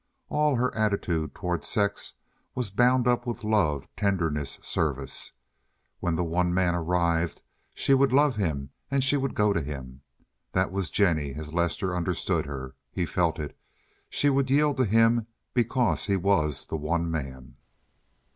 All her attitude toward sex was bound up with love, tenderness, service. When the one man arrived she would love him and she would go to him. That was Jennie as Lester understood her. He felt it. She would yield to him because he was the one man.